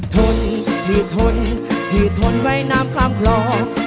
ทนที่ทนที่ทนไปน้ำข้ามพร้อม